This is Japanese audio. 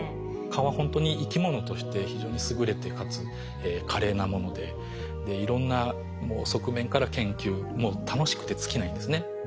蚊はほんとに生き物として非常に優れてかつ華麗なものでいろんな側面から研究もう楽しくて尽きないんですね。